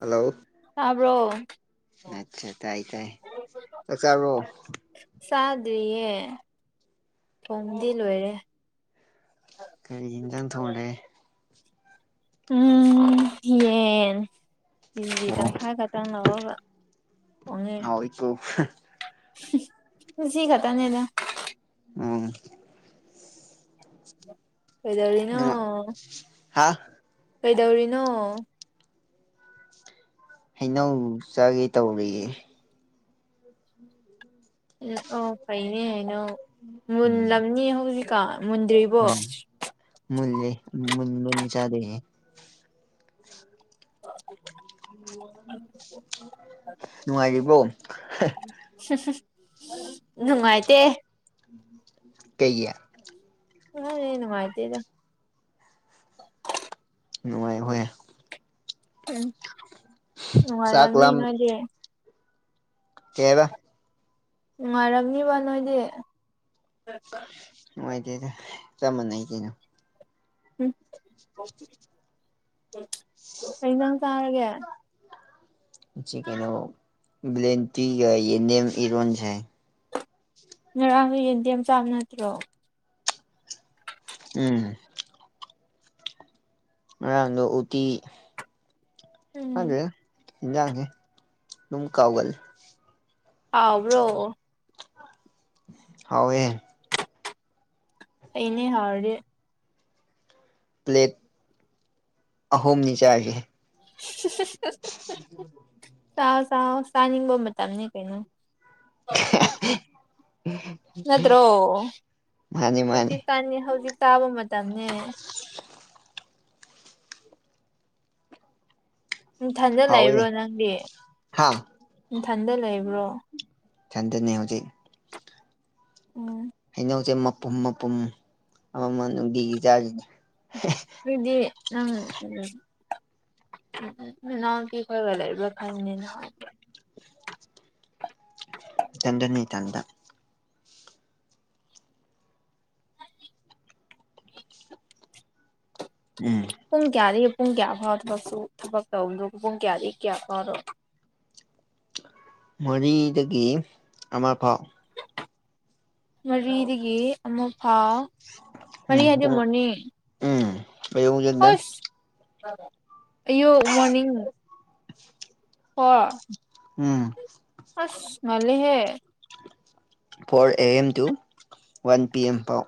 Hello ꯇꯥꯕ꯭ꯔꯣ ꯑꯠꯆꯥ ꯇꯥꯏ ꯇꯥꯏ ꯆꯥꯛ ꯆꯥꯔꯕꯣ꯫ ꯆꯥꯗ꯭ꯔꯤꯌꯦ ꯊꯣꯡꯗꯤ ꯂꯣꯏꯔꯦ꯫ ꯀꯩꯔꯤ ꯏꯟꯖꯥꯅ ꯊꯣꯡꯂꯦ ꯎꯝ ꯌꯦꯟ ꯀꯦ ꯖꯤ ꯑꯣ ꯇꯪꯈꯥꯏ ꯈ ꯇꯪ ꯂꯧꯔꯒ ꯊꯣꯡꯉꯦ꯫ ꯍꯥꯎꯏꯀꯣ ꯉꯁꯤ ꯈꯇꯥꯅꯦꯗ꯫ ꯑꯥ ꯀꯩꯗꯧꯔꯤꯅꯣ꯫ ꯍꯥꯥ ꯀꯩꯗꯧꯔꯤꯅꯣ ꯍꯩꯅꯧ ꯆꯥꯒꯦ ꯇꯧꯔꯤꯌꯦ꯫ ꯑꯣ ꯐꯩꯅꯦ ꯍꯥꯏꯩꯅꯣ ꯎꯝ ꯃꯨꯜꯂꯝꯅꯤ ꯍꯧꯖꯤꯛꯀꯣ ꯃꯨꯟꯗ꯭ꯔꯤꯕ꯫ ꯎꯝ ꯃꯨꯜꯂꯦ ꯃꯨꯟꯕꯅꯤ ꯆꯥꯗꯣꯏꯁꯤ ꯑꯣ ꯅꯨꯡꯉꯥꯏꯔꯤꯕ꯭ꯔꯣ꯫ ꯅꯨꯡꯉꯥꯏꯇꯦ꯫ ꯀꯩꯒꯤ ꯅꯪꯅ ꯍꯦꯟꯅ ꯅꯨꯉꯥꯏꯇꯦꯗ ꯅꯨꯡꯉꯥꯏꯈ ꯎꯝ ꯎ ꯆꯥꯛ ꯂꯥꯝ ꯃꯔꯔꯃꯤꯅꯗꯦ ꯀꯔ ꯉꯥꯏꯔꯝꯅꯤꯕ ꯅꯣꯏꯗꯤ ꯅꯨꯡꯉꯥꯏꯇꯦꯗ ꯆꯞ ꯃꯥꯟꯅꯩ ꯀꯩꯅꯣ ꯎꯝ ꯑꯩꯖꯪ ꯆꯥꯔꯒꯦ ꯀꯩꯅꯣ ꯭ꯂꯦꯟ ꯇꯤꯒ ꯌꯦ ꯅꯅꯤꯦꯝ ꯏꯔꯣꯟꯁ ꯍꯥꯏ ꯉꯔꯥꯡꯗ ꯌꯦꯟꯗꯦꯝ ꯆꯥꯕ ꯅꯠꯇ꯭ꯔꯣ ꯎꯝ ꯑ ꯎꯇꯤ ꯎꯝ ꯑꯗꯨꯦ ꯏꯖꯒꯦ ꯝ ꯀꯥꯎꯒ ꯍꯥꯎꯕ꯭ꯔꯣ ꯍꯥꯎꯋꯦ ꯑꯅꯦ ꯍꯧꯥꯎꯦ ꯄ꯭ꯂꯦꯠ ꯑꯍꯨꯝꯅꯤ ꯆꯥꯒꯦ ꯆꯥꯎ ꯆꯥꯎ ꯆꯥꯅꯤꯡꯕ ꯃꯇꯝꯅꯤ ꯀꯩꯅꯣ ꯑꯣ ꯅꯠꯇ꯭ꯔꯣ ꯃꯥꯅꯤ ꯃꯥꯅꯤ ꯍꯧꯖꯤꯛꯀꯥꯟ ꯍꯧꯖꯤꯛ ꯇꯥꯕ ꯃꯇꯝꯅꯦ ꯏꯊꯟꯗ ꯍꯥꯎꯋꯦ ꯂꯩꯕ꯭ꯔꯣ ꯅꯪꯗꯤ ꯍꯥ ꯏꯊꯟꯗ ꯂꯩꯕ꯭ꯔꯣ ꯆꯥꯟꯗꯅꯤ ꯍꯧꯖꯤ ꯎꯝ ꯍꯩꯅꯧꯁꯦ ꯃꯄꯨꯝ ꯃꯄꯨꯝ ꯑꯃꯃ ꯅꯨꯡꯗꯤꯒꯤ ꯆꯥꯁꯤꯅꯦ ꯐꯔꯤꯗꯤ ꯎ ꯈꯕꯂꯦꯕ ꯈꯅꯤꯅ [inaudible] ꯆꯗꯅꯤ ꯇꯗ ꯎꯝ ꯄꯨꯡ ꯀꯌꯥꯗꯒꯤ ꯄꯨꯡ ꯀꯌꯥ ꯐꯥꯎꯗꯕꯁꯨ ꯊꯕꯛ ꯇꯧꯕꯗꯣ ꯄꯨꯡ ꯀꯌꯥꯗꯒꯤ ꯀꯌꯥ ꯐꯥꯎꯔꯣ ꯃꯔꯤꯗꯒꯤ ꯑꯃ ꯐꯥꯎ ꯃꯔꯤꯗꯒꯤ ꯑꯃꯐꯥ ꯎꯝ ꯀ ꯎꯝꯉꯖ ꯅꯦꯟ ꯌ ꯃꯅꯤꯡꯡ ꯍ ꯎꯝ ꯑꯁ ꯃꯜꯂꯤꯍꯦ four A M to one P M ꯐꯥꯎ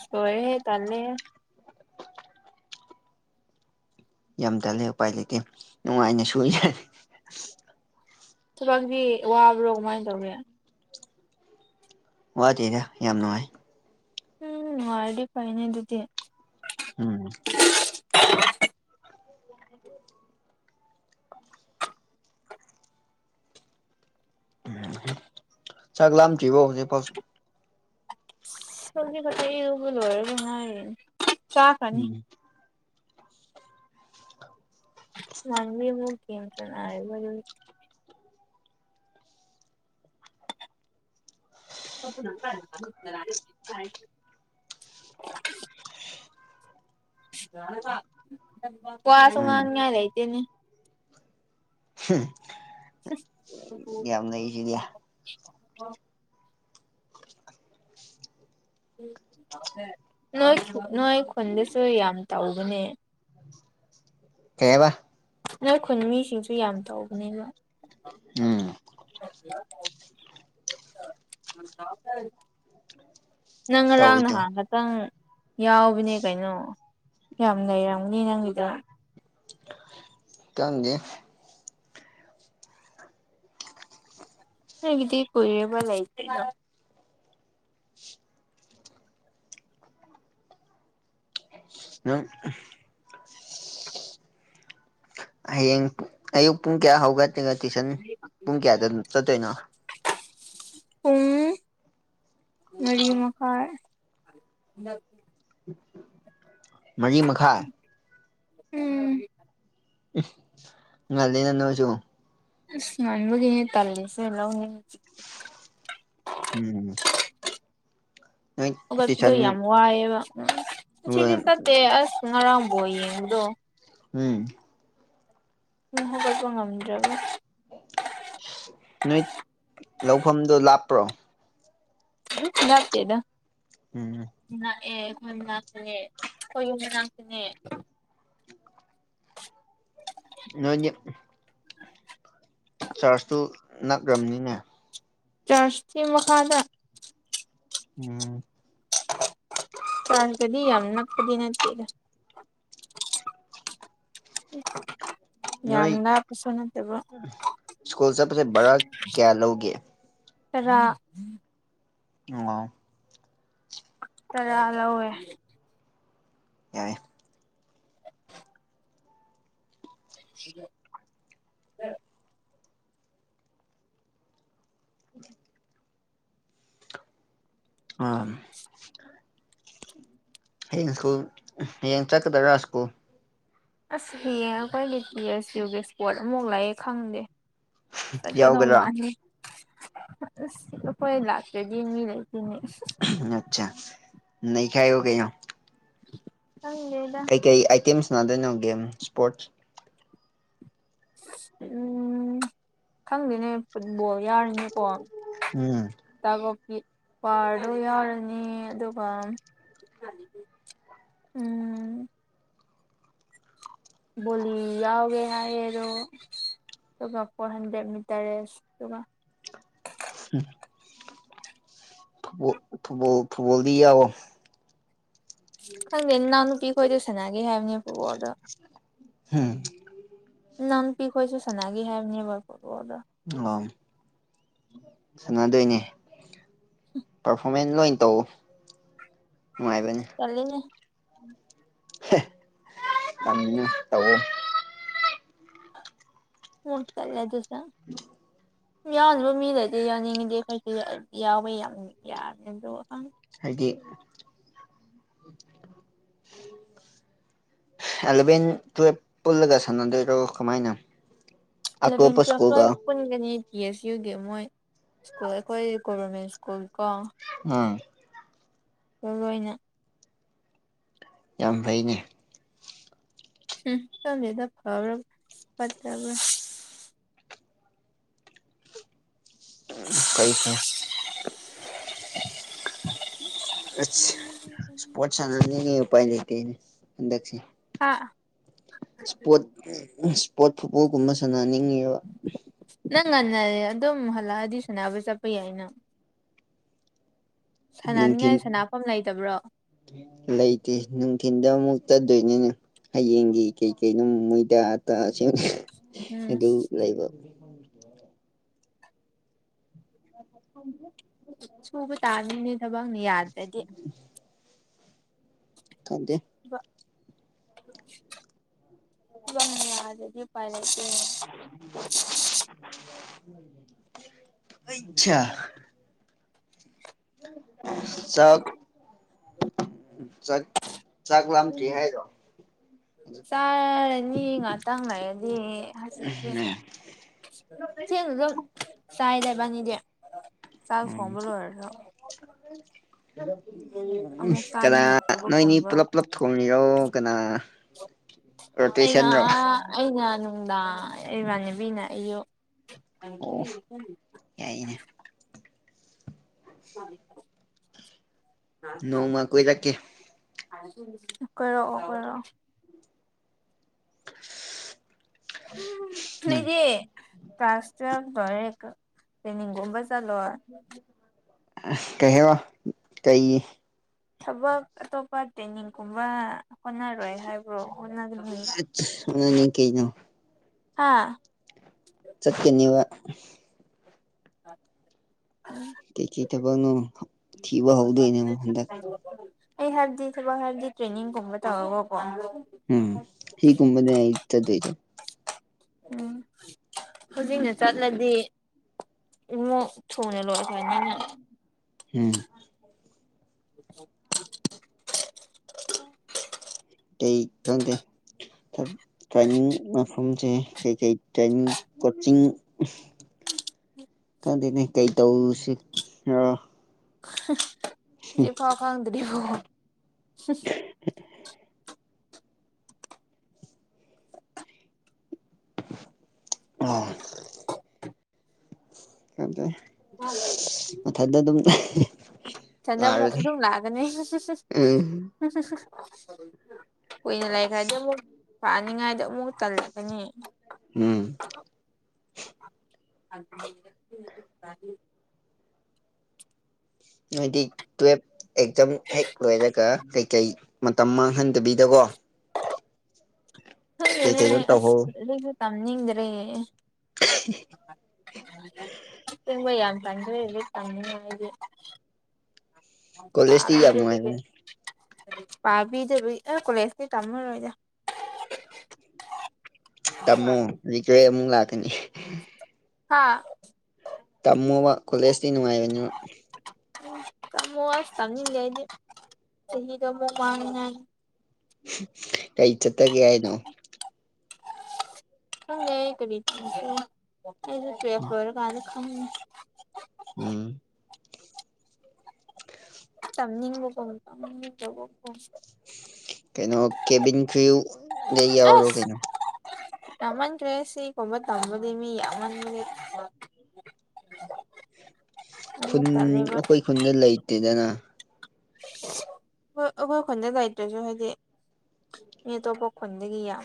ꯁꯣꯋ ꯍꯦ ꯇꯅꯦ ꯌꯥꯝ ꯇꯜꯂꯦ ꯎꯄꯥꯏ ꯂꯩꯇꯦ ꯅꯨꯡꯉꯥꯏꯅꯁꯨꯣꯏꯖꯦ ꯊꯕꯥꯛꯀꯤ ꯋꯥꯕ꯭ꯔꯣ ꯀꯃꯥꯏꯅ ꯇꯧꯒꯦ ꯋꯥꯗꯦꯅꯦ ꯌꯥꯝ ꯅꯨꯡꯉꯥꯏ ꯎꯝ ꯑꯣꯜꯔꯦꯗꯤ ꯐꯥꯏꯅꯦ ꯑꯗꯨꯗꯤ ꯎꯝ ꯆꯒ ꯂꯝ ꯊꯕꯣ ꯄ ꯁꯒꯦ ꯀ ꯇꯕꯨꯂꯨ ꯑꯣꯏꯔꯒꯉ ꯆꯥ ꯈꯅꯤ ꯎꯝ ꯅꯟꯃꯦ [unintelligible] ꯋꯥꯁꯨ ꯎ ꯎꯝ ꯉ ꯌꯥ ꯂꯇꯅꯦ ꯍꯝ ꯁꯁ ꯌꯥꯝꯅꯩꯁꯤꯗꯌꯥ [inaudible] [unintelligible] ꯅꯣꯏ ꯅꯣꯏ ꯈꯨꯟꯗꯁꯨ ꯌꯥꯝ ꯇꯧꯕꯅꯦ ꯀꯩꯕ ꯅꯣꯏꯈꯨꯟ ꯃꯤꯁꯤꯡꯁꯨ ꯌꯥꯝ ꯇꯧꯕꯅꯦꯕ ꯎꯝ [unintelligible] ꯅꯪ ꯉꯔꯥꯡ ꯅ ꯇꯧꯔꯤꯗꯣ ꯍꯥꯡꯒꯗ ꯈꯤꯇꯪ ꯌꯥꯎꯕꯅꯦ ꯀꯩꯅꯣ ꯌꯥꯝ ꯂꯩꯔꯝꯅꯤ ꯅꯪꯒꯤꯗ [inaudible] ꯈꯪꯗꯦ ꯍꯒꯤꯗꯤ ꯀꯕ ꯂꯁꯅ ꯅꯪ ꯍꯌꯦꯡ ꯑꯌꯨꯛ ꯄꯨꯡ ꯀꯌꯥ ꯍꯧꯒꯠꯇ꯭ꯔꯤꯒ ꯇꯨꯏꯁꯟ ꯄꯨꯡ ꯀꯌꯥꯗ ꯑꯗꯨ ꯆꯠꯇꯣꯏꯅꯣ ꯄꯨꯡ ꯃꯔꯤ ꯃꯈꯥꯏ ꯃꯔꯤ ꯃꯈꯥꯏ ꯎꯝ ꯉꯜꯂꯤꯅꯁꯣ ꯑ ꯉꯟꯕꯒꯤꯅꯦ ꯇꯜꯂꯤꯁꯦ ꯂꯧꯅꯤꯡ ꯎꯝ ꯅꯣꯏ ꯍꯧꯒꯠꯄꯗꯣ ꯇꯨꯏꯁꯟ ꯌꯥꯝ ꯋꯥꯏꯑꯦꯕ ꯎꯝ ꯉꯁꯤꯗꯤ ꯆꯠꯇꯦ ꯎꯝ ꯑꯁ ꯉꯔꯥꯡꯕꯣꯜ ꯌꯦꯡꯕꯗꯣ ꯎꯝ ꯇꯨꯝ ꯍꯥꯒꯠꯄ ꯉꯝꯗ꯭ꯔꯦꯕꫭ ꯅꯣꯏ ꯂꯧꯐꯝꯗꫭ ꯂꯥꯞꯄ꯭ꯔꯣ ꯂꯛꯇꯦꯗ ꯎꯝ ꯂꯛꯑꯦ ꯑꯩꯈꯣꯏ ꯃꯅꯥꯛꯇꯅꯦ ꯑꯩꯈꯣꯏ ꯌꯨꯝ ꯃꯅꯥꯛꯇꯅꯦ ꯅꯣꯏꯅꯤ [inaudible] ꯆꯥꯔꯖꯇꯨ ꯅꯛꯈ꯭ꯔꯕꯅꯤꯅꯦ ꯆꯥꯁꯇꯤ ꯃꯈ ꯃꯈꯥꯥꯟꯗ ꯎꯝ ꯀꯗꯤ ꯌꯥꯝ ꯅꯛꯄꯗꯤ ꯅꯠꯇꯦꯗ [unintelligible] ꯌꯥꯝ ꯅꯣꯏ ꯂꯥꯞꯄꯁꯨ ꯅꯠꯇꯕ ꯁ꯭ꯀꯨꯜ ꯆꯠꯄꯁꯦ ꯕ꯭ꯔꯥ ꯀꯌꯥ ꯂꯧꯒꯦ ꯇꯔꯥ [unintelligible] ꯇꯔꯥ ꯂꯧꯑꯦ ꯌꯥꯏꯌꯦ [inaudible] [unintelligible] [inaudible] ꯑꯥ ꯍꯌꯦꯡ ꯁ꯭ꯀꯨꯜ ꯍꯌꯦꯡ ꯆꯠꯀꯗꯧꯔꯥ ꯁ꯭ꯀꯨꯜ ꯑꯁ ꯍꯌꯦꯡ ꯑꯩꯈ꯭ꯣꯏ‌ꯒꯤ ꯇꯤꯑꯦꯁꯌꯨꯒꯤ ꯏꯁꯄꯣꯠ ꯑꯃꯨꯛ ꯂꯩꯑꯦ ꯈꯪꯗꯦ ꯆꯠꯀꯗꯧ ꯌꯥꯎꯒꯗ꯭ꯔꯥ ꯃꯥꯟꯗꯦ ꯑꯁ ꯑꯩꯈꯣꯏ ꯂꯥꯛꯇ꯭ꯔꯗꯤ ꯃꯤ ꯂꯩꯇꯦꯅꯦ ꯅꯠꯆꯥ ꯅꯩꯈꯥꯏꯌꯨ ꯀꯩꯩꯅꯣ ꯈꯪꯗꯦꯗ ꯀꯩ ꯑꯥꯏꯇꯦꯝꯁ ꯅꯥꯗꯣꯏꯅꯣ ꯒꯦꯝ ꯏꯁꯄꯣꯔꯠꯁ ꯎꯝ ꯈꯪꯗꯦꯅꯦ ꯐꯨꯠꯕꯣꯜ ꯌꯥꯔꯤꯅꯤꯀꯣ ꯎꯝ ꯇꯥꯀꯣꯛꯄꯤ ꯄꯥꯔꯗꯣ ꯌꯥꯎꯔꯅꯤ ꯑꯗꯨꯒ [inaudible] ꯎꯝ ꯕꯣꯂꯤ ꯌꯥꯎꯒꯦ ꯍꯥꯏꯌꯦꯗꯣ ꯑꯗꯨꯒ ꯐꯣꯔ ꯍꯟꯗ꯭ꯔꯦꯠ ꯃꯤꯇꯔ ꯔꯦꯁ ꯗꯨꯒ ꯎꯝ ꯐꯨꯠꯕꫭꯜ ꯐꯨꯠꯕꯣꯜ ꯐꯨꯠꯕꯣꯜꯗꯤ ꯌꯥꯎꯑꫭ ꯈꯪꯗꯦ ꯢꯅꯥꯎ ꯅꯨꯄꯤ ꯈꯣꯏꯗꯣ ꯁꯥꯅꯥꯒꯦ ꯍꯥꯏꯕꯅꯤ ꯐꯨꯠꯕꯣꯜꯗꯣ ꯍꯝ [inaudible] ꯢꯅꯥꯎ ꯅꯨꯄꯤ ꯈꯣꯏꯁꯨ ꯁꯥꯅꯥꯒꯦ ꯍꯥꯏꯕꯅꯦꯕ ꯐꯨꯠꯕꫭꯜꯗꫭ ꯑꯣ ꯁꯥꯟꯅꯗꯣꯏꯅꯦ ꯄ꯭ꯔꯐꯣꯃꯦꯟ ꯂꯣꯏꯅ ꯇꯧꯑꫭ ꯅꯨꯡꯉꯥꯏꯕꯅꯤ ꯇꯜꯂꯤꯅꯦ ꯍꯦ ꯇꯥꯜꯒꯅꯨ ꯇꯧꯑꫭ ꯍꯨꯛ ꯇꯜꯂꯦ ꯑꯗꯨꯁꯨ [inaudible] ꯎꯝ [inaudible] ꯌꯥꯎꯅꯕ ꯃꯤ ꯂꯩꯗꯤ ꯌꯥꯎꯅꯤꯡꯉꯗꯤ ꯑꯩꯈꫭꯏꯁꯨ ꯌꯥꯏ ꯌꯥꯎꯕ ꯌꯥꯝ ꯌꯥꯕꯅꯦ ꯑꯗꯨ ꯈꯪꯗꯦ ꯍꯥꯏꯗꯤ ꯑꯦꯂꯦꯚꯦꯟ ꯇꯨꯌꯦꯞ ꯄꯨꯜꯂꯒ ꯁꯥꯟꯅꯗꫭꯏꯔꫭ ꯀꯃꯥꯏꯅ ꯑꯇꯣꯞꯄ ꯁꯀꯨꯜꯒ ꯄꯨꯨꯟꯒꯅꯤ ꯄꯤ ꯑꯦꯁ ꯌꯨꯒꯤ ꯃꯣꯏ ꯁ꯭ꯀꯨꯜ ꯑꯩꯈꯣꯏ ꯒꯣꯕꯔꯃꯦꯟ ꯁ꯭ꯀꯨꯜ ꯀꯣ ꯑꯝ ꯃꯔꯨ ꯑꯣꯏꯅ ꯌꯥꯝ ꯐꯩꯅꯦ ꯎꯝ ꯈꯪꯗꯦꯗ ꯐꯕ꯭ꯔ ꯐꯠꯇꯕ꯭ꯔ ꯎ ꯐꯩ ꯐꯩ [inaudible] ꯏꯁꯄꯣꯠꯅꯅꯤ [inaudible] ꯎꯥꯏ ꯂꯩꯇꯗ ꯍꯥ ꯏꯁꯄꯣꯔꯠ ꯏꯁꯄꯣꯔꯠ ꯐꯨꯠꯕꯣꯜꯒꯨꯝꯕ ꯁꯥꯟꯅꯅꯤꯡꯉꯤꯕ ꯅꯪ ꯉꯟꯅ ꯑꯗꯨꯝ ꯍꯜꯂꯛꯑꯗꯤ ꯁꯥꯟꯅꯕ ꯆꯠꯄ ꯌꯥꯏꯅ ꯅꯨꯡꯊꯤꯟ ꯁꯥꯟꯅꯅꯤꯡꯉꯥꯏ ꯁꯅꯐꯝ ꯂꯩꯇꯕ꯭ꯔꯣ ꯂꯩꯇꯦ ꯅꯨꯡꯊꯤꯟꯗ ꯑꯃꯨꯛ ꯆꯠꯇꯣꯏꯅꯤꯅꯦ ꯍꯌꯦꯡꯒꯤ ꯀꯩ ꯀꯩꯅꯣ ꯃꯣꯏꯗꯥ ꯑꯇꯥ ꯎꯝ ꯑꯗꯨ ꯂꯩꯕ ꯑ ꯊꯦ [inaudible] ꯁꯨꯕ ꯇꯥꯕꯅꯤꯅꯦ ꯊꯕꯛꯅ ꯌꯥꯗ꯭ꯔꯗꯤ ꯈꯪꯗꯦ ꯌꯥꯗꯗꯤ [inaudible] ꯎꯄꯥꯏ ꯂꯩꯇꯦ ꯑꯆꯥ [inaudible] ꯆꯥꯛ ꯆꯥꯛ ꯂꯥꯝꯗꯔꯤ ꯎꯝ ꯍꯥꯢꯔꯣ ꯆꯥꯔꯅꯤ ꯉꯥꯛꯇꯪ ꯂꯩꯔꯗꯤ ꯍꯧꯖꯤꯛꯇꯤ ꯊꯦꯡꯅ ꯑꯗꯨꯝ ꯆꯥꯢꯗ ꯅꯕꯥꯟꯅꯤꯗꯤ ꯎꯝ ꯑꯃꯨꯛ [inaudible] ꯀꯅꯥ ꯅꯣꯏꯅꯤ ꯆꯥꯅꯤꯡꯉꯛꯇꯕꯒꯨꯝꯕ ꯄꯨꯂꯞ ꯄꯨꯂꯞ ꯊꯣꯡꯉꯤꯔꯣ ꯀꯅꯥ ꯑꯩꯅ ꯔꯣꯇꯦꯁꯟ ꯂꯣ ꯑꯩꯅ ꯅꯨꯡꯗꯥꯡ ꯏꯃꯥꯟꯅꯕꯤꯅ ꯑꯌꯨꯛ ꯑꯣ ꯌꯥꯏꯅꯦ ꯑ [inaudible] ꯅꯣꯡꯃ ꯀꯣꯏꯔꯛꯀꯦ ꯀꯣꯢꯔꯛꯑꯣ ꯀꯣꯢꯔꯛꯑꯣ [inaudible] ꯎꯝ ꯅꯪꯗꯤ ꯀ꯭ꯂꯥꯁ ꯇꯨꯋꯦꯜꯐ ꯂꯣꯢꯔꯦ ꯇ꯭ꯔꯦꯟꯅꯤꯡꯒꯨꯝꯕ ꯆꯠꯂꯣ ꯀꯍꯦ ꯋꯥ ꯀꯩ ꯊꯕꯛ ꯑꯇꯣꯞꯄ ꯇ꯭ꯔꯦꯟꯅꯤꯡꯒꯨꯝꯕ ꯍꯣꯠꯅꯔꯣꯏ ꯍꯥꯏꯕ꯭ꯔꯣ ꯍꯣꯠꯅꯅꯤ ꯑ ꯅ ꯀꯩꯅꯣ ꯍꯥꯥ ꯆꯠꯀꯅꯤꯕ ꯎꯝ ꯀꯩꯀꯩ ꯊꯕꯛꯅꯣ ꯊꯤꯕ ꯍꯧꯗꯣꯏꯅꯦꯕ ꯍꯟꯗꯛ ꯑꯩ ꯍꯥꯏꯕꯗꯤ ꯊꯕꯛ ꯍꯥꯏꯕꯗꯤ ꯇ꯭ꯔꯦꯅꯤꯡꯒꯨꯝꯕ ꯇꯧꯔꯒꯀꯣ ꯎꯝ ꯍꯤꯒꯨꯝꯕꯅꯦ ꯏ ꯇꯗ ꯏꯗꯦ ꯎꯝ ꯍꯧꯖꯤꯛꯅ ꯆꯠꯂꯗꯤ ꯏꯃꯣꯛ ꯊꯨꯅ ꯂꯣꯏꯑꯁꯨꯥꯏꯅꯤꯅ ꯎꯝ ꯎ ꯑꯩ ꯊꯗꯦ ꯊ ꯇ꯭ꯔꯦꯟꯅꯤꯡ ꯃꯐꯝꯁꯦ ꯀꯩꯀꯩ ꯇ꯭ꯔꯦꯟꯅꯤꯡ ꯀꯣꯆꯤꯡ ꯈꯪꯗꯅꯦ ꯀꯩꯗꯧꯁꯤ ꯁꯤ ꯐꯥ ꯐꯪꯗꯅꯤ ꯐ [inaudible] ꯑꯥ ꯌꯥꯝꯝꯖꯩ ꯃꯊꯟꯇ ꯑꯗꯨꯝ ꯁꯟꯖ ꯂꯥꯛꯔꯅꯤ ꯑꯗꯨꯝ ꯂꯥꯛꯒꯅꯤ ꯎꯝ ꯀꯨꯏꯅ ꯂꯥꯏꯔꯤꯛꯀꯥꯏꯗ ꯑꯃꯨꯛ ꯄꯥꯅꯤꯉꯥꯏꯗꯣ ꯑꯃꯨꯛ ꯇꯜꯂꯀꯅꯤ ꯎꯝ ꯀꯥ ꯍꯥꯏꯗꯤ ꯇꯨꯌꯦꯦꯜꯐ ꯑꯦꯛꯖꯝ ꯍꯦꯛ ꯂꯣꯏꯔꯒ ꯀꯩꯀꯩ ꯃꯇꯝ ꯃꯥꯡꯍꯟꯗꯕꯤꯗꯀꯣ ꯍ ꯍꯦ ꯀꯩ ꯀꯩꯅꯣ ꯑꯁ ꯇꯧꯍꯧ ꯂꯩ ꯇꯝꯅꯤꯡꯗ꯭ꯔꯦ ꯆꯦꯡꯕ ꯌꯥꯝ ꯒꯨꯔꯂꯦ ꯀꯃꯤꯗꯤ ꯀꯣꯂꯦꯖꯇꯤ ꯌꯥꯝ ꯄꯥꯕꯤꯗ ꯅꯨꯡꯉꯥꯏꯕꯅꯤ ꯄꯥꯕꯤꯗ ꯀꯣꯂꯦꯖꯀꯤ ꯇꯝꯃꯔꯣꯏꯗꯦ ꯇꯝꯃꯣ ꯀ꯭ꯔꯦ ꯑꯃꯨꯛ ꯂꯥꯛꯀꯅꯤ ꯍꯥꯥ ꯇꯝꯃꯨꯕ ꯀꯣꯂꯦꯖꯇꯤ ꯅꯨꯡꯉꯥꯏꯕꯅꯤ ꯃ ꯊꯝꯅꯤ ꯂꯩꯗꯤ ꯆꯍꯤꯗ ꯃꯥꯡ ꯀꯩ ꯆꯇꯒꯦ ꯍꯥꯏꯅꯣ ꯀꯔꯤ ꯑꯗꯨ ꯄꯦꯈ ꯑꯣꯏꯔ ꯀꯂ ꯈ ꯎꯝ ꯅꯤꯡꯕꯣ ꯀꯣꯕ ꯀꯩꯅꯣ ꯀꯦꯕꯤꯟ ꯀ꯭ꯨꯗ ꯌꯥꯎꯔꯣ ꯀꯩꯅꯣ ꯌꯥꯃꯟ ꯀ꯭ꯔꯦꯁꯤ ꯀꯧꯕꯝꯕ ꯅꯝꯕꯗꯤꯃꯤ ꯌꯥꯃꯟ ꯃꯦ ꯈꯨꯟ ꯑꯃꯨꯛ ꯇꯜꯂꯦꯕ ꯑꯩꯈꯣꯏ ꯈꯨꯟꯗ ꯂꯩꯇꯦꯗꯅ ꯍꯣꯏ ꯑꯩꯈꯣꯏ ꯈꯣꯟꯖ ꯗꯥꯏꯇ꯭ꯔꯁꯨ ꯍꯥꯏꯗꯤ ꯃꯤ ꯇꯣꯞꯄ ꯈꯨꯗꯒꯤꯌꯥ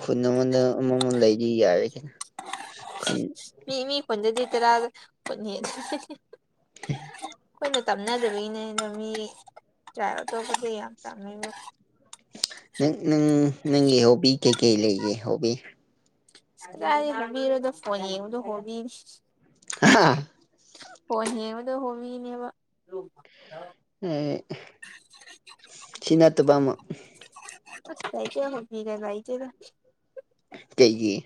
ꯈꯨꯟ ꯑꯃꯗ ꯑꯃꯃꯝ ꯂꯩꯗꯤ ꯌꯥꯔꯦꯁꯤꯅ ꯈꯨꯟ ꯃꯤ ꯃꯤ ꯀꯣꯟꯗꯦꯗꯤꯇꯦ ꯔ ꯍꯤ ꯑꯩꯈꯣꯏꯅ ꯇꯝꯅꯗꯕꯒꯤꯅꯦ ꯑꯗꯨ ꯃꯤ ꯇ꯭ꯔꯥꯏ ꯑꯇꯣꯞꯄꯗ ꯌꯥꯝ ꯇꯝꯃꯤꯕ ꯅꯪ ꯅꯪ ꯅꯪꯒꯤ ꯍꯣꯕꯤ ꯀꯩ ꯀꯩ ꯂꯩꯒꯦ ꯍꯣꯕꯤ ꯍꯔ ꯐꯗ ꯍꯣ ꯍꯥ ꯍꯣꯏ ꯍꯡꯕꯗ ꯍꯣꯃꯤꯅꯦꯕ ꯑꯦ ꯁꯤ ꯅꯠꯇꯕ ꯑꯃ ꯀꯏ ꯀꯦ ꯍꯒ ꯉꯏꯆꯦꯗ ꯀꯩꯒꯤ